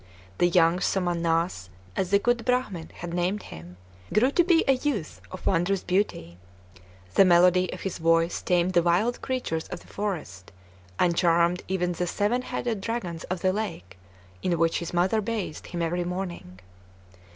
The young Somannass, as the good Bhramin had named him, grew to be a youth of wondrous beauty. The melody of his voice tamed the wild creatures of the forest, and charmed even the seven headed dragons of the lake in which his mother bathed him every morning.